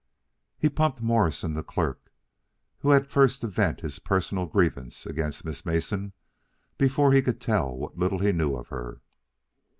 He pumped Morrison, the clerk, who had first to vent his personal grievance against Miss Mason before he could tell what little he knew of her.